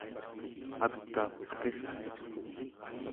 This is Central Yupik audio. ak'a perrirtuq